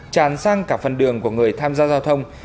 tràn sang cả phần đường của người tham gia giao thông